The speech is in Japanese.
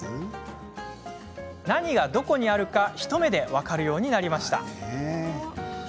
何が、どこにあるか一目で分かるようになりました。